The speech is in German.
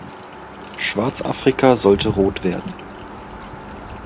Schwarzafrika sollte rot werden.